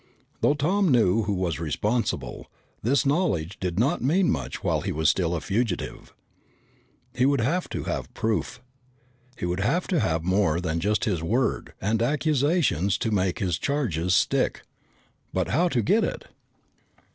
Though Tom knew who was responsible, this knowledge did not mean much while he was still a fugitive. He would have to have proof. He would have to have more than just his word and accusation to make his charges stick. But how to get it?